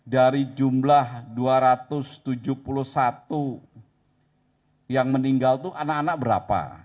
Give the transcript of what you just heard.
dari jumlah dua ratus tujuh puluh satu yang meninggal itu anak anak berapa